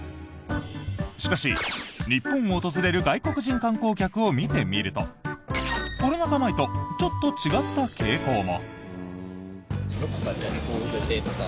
しかし、日本を訪れる外国人観光客を見てみるとコロナ禍前とちょっと違った傾向も。